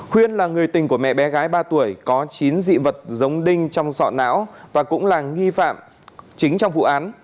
khuyên là người tình của mẹ bé gái ba tuổi có chín dị vật giống đinh trong sọ não và cũng là nghi phạm chính trong vụ án